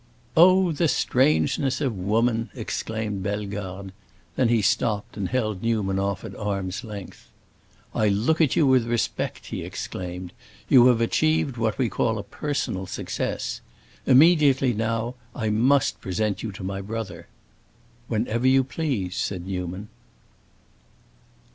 "Oh, the strangeness of woman!" exclaimed Bellegarde. Then he stopped, and held Newman off at arms' length. "I look at you with respect!" he exclaimed. "You have achieved what we call a personal success! Immediately, now, I must present you to my brother." "Whenever you please!" said Newman.